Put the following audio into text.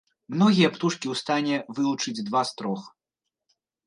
Многія птушкі у стане вылучыць два з трох.